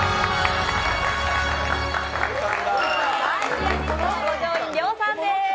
ピアニストの五条院凌さんです。